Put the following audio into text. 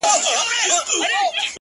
د کلي حوري په ټول کلي کي لمبې جوړي کړې!!